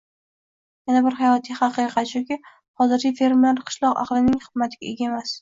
Yana bir hayotiy haqiqat shuki, hozirgi fermerlar qishloq ahlining hurmatiga ega emas.